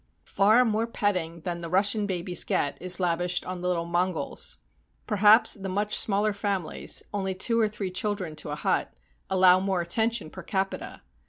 Far more petting than the Russian babies get is lav ished on the little Mongols. Perhaps the much smaller famihes (only two or three children to a hut) allow more attention per capita.